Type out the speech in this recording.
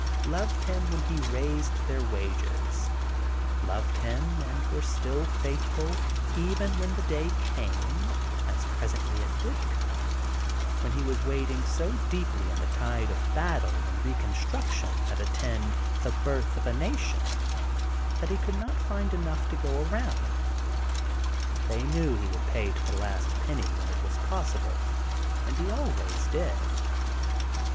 Loved him when he raised their wages, loved him and were still faithful even when the day came, as presently it did come, when he was wading so deeply in the tide of battle and Reconstruction that attended "The Birth of a Nation," that he could not find enough to go around. They knew he would pay to the last penny when it was possible, and he always did.